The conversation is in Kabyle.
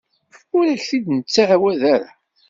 Ur ak-t-id-nettɛawad ara.